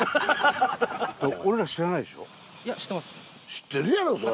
知ってるやろそりゃ。